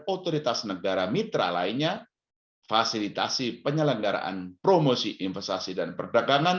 otoritas negara mitra lainnya fasilitasi penyelenggaraan promosi investasi dan perdagangan